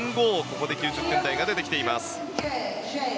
ここで９０点台が出てきています。